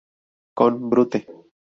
Con brute.